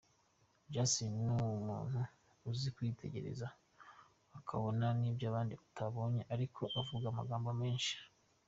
Justin ni umuntu uzi kwitegereza akabona n’ibyo abandi batabonye ariko avuga amagambo menshi.